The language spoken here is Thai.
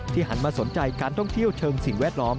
หันมาสนใจการท่องเที่ยวเชิงสิ่งแวดล้อม